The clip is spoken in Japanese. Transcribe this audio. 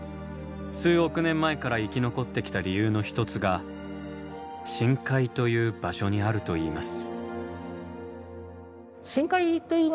数億年前から生き残ってきた理由の一つが深海という場所にあるといいます。